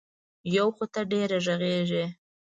یو خو ته ډېره غږېږې.